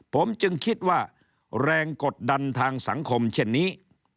ผมจึงคิดว่าแรงกดดันทางสังคมเช่นนี้